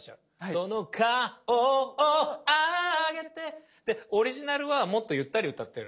「その顔をあげて」でオリジナルはもっとゆったり歌ってる。